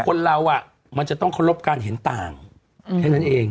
คนเรามันจะต้องเคารพการเห็นต่างแค่นั้นเอง